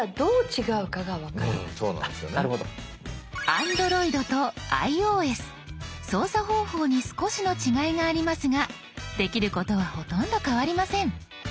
ＡｎｄｒｏｉｄとｉＯＳ操作方法に少しの違いがありますができることはほとんど変わりません。